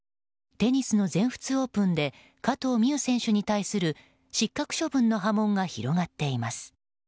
テニスの全仏オープンで加藤未唯選手に対する失格処分の波紋が広がっています。